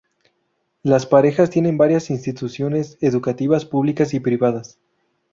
Las Parejas tiene varias instituciones educativas públicas y privadas.